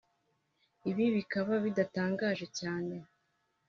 Ibi bikaba bidatangaje cyane